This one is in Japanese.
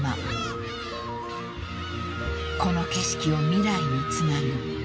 ［この景色を未来につなぐ］